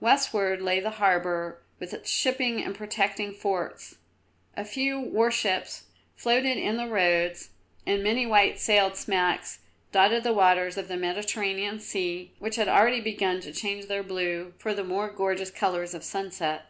Westward lay the harbour with its shipping and protecting forts. A few warships floated in the roads, and many white sailed smacks dotted the waters of the Mediterranean Sea, which had already begun to change their blue for the more gorgeous colours of sunset.